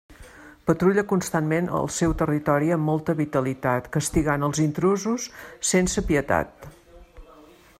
Patrulla constantment el seu territori amb molta vitalitat, castigant els intrusos sense pietat.